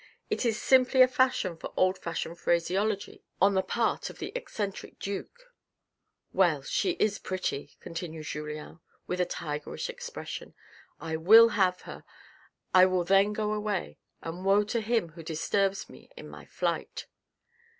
It is simply a fashion for old fashioned phraseology on the part of the eccentric duke ?"" Well, she is pretty !" continued Julien with a tigerish ex pression, " I will have her, I will then go away, and woe to him who disturbs me in my flight."